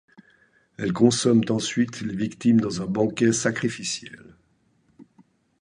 Elles consomment ensuite les victimes dans un banquet sacrificiel.